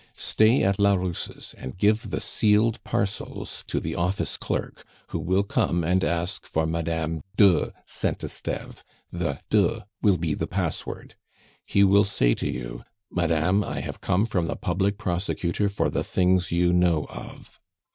Stay at la Rousse's, and give the sealed parcels to the office clerk, who will come and ask for Madame de Saint Esteve; the de will be the password. He will say to you, 'Madame, I have come from the public prosecutor for the things you know of.